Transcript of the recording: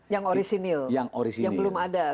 yang orisinil yang belum ada